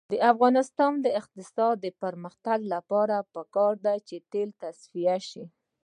د افغانستان د اقتصادي پرمختګ لپاره پکار ده چې تیل تصفیه شي.